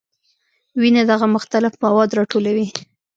وینه دغه مختلف مواد راټولوي.